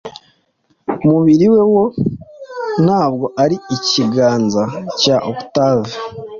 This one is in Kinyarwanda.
umubiri we woe ntabwo ari "ikiganza" cya octave